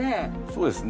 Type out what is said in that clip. そうですね。